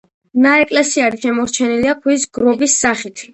ნაეკლესიარი შემორჩენილია ქვის გროვის სახით.